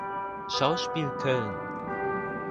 Schauspiel Köln